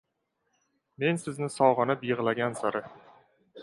Men sizni sog‘inib yig‘lagan sari.